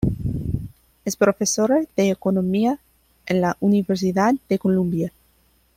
Es profesora de economía en la Universidad de Columbia.